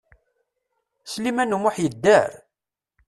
Sliman U Muḥ yedder?